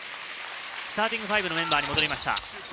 スターティングファイブのメンバーに戻りました。